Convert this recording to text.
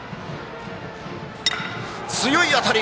強い当たり！